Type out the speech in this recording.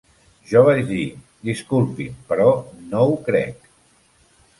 Jo vaig dir: "Disculpi'm, però no ho crec.